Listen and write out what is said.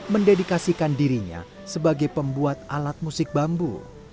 mendedikasikan dirinya sebagai pembuat alat musik bambu